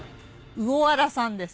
魚あらさんです。